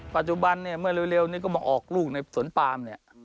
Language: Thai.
ปัจจุบันเร็วนี่ก็มาออกลูกในสวนป่าม